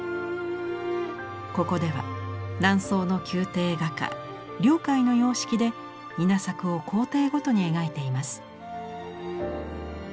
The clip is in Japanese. ここでは南宋の宮廷画家梁楷の様式で稲作を工程ごとに描いています。